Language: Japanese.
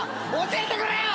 教えてくれよ！